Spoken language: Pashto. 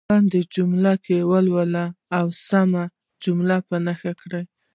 لاندې جملې ولولئ او سمه جمله په نښه کړئ.